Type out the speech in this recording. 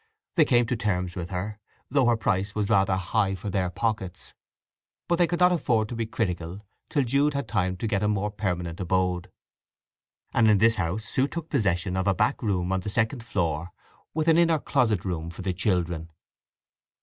They came to terms with her, though her price was rather high for their pockets. But they could not afford to be critical till Jude had time to get a more permanent abode; and in this house Sue took possession of a back room on the second floor with an inner closet room for the children.